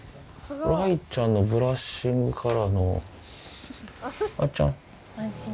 雷ちゃんのブラッシングからのあーちゃん。